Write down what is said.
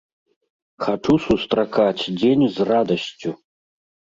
Хачу сустракаць дзень з радасцю!